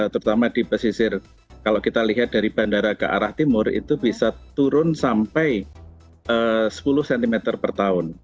terutama di pesisir kalau kita lihat dari bandara ke arah timur itu bisa turun sampai sepuluh cm per tahun